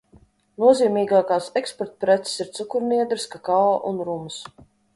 Nozīmīgākās eksportpreces ir cukurniedres, kakao un rums.